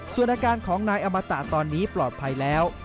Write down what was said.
ส่วนอาการของนายอมตะตอนนี้ปลอดภัยแล้ว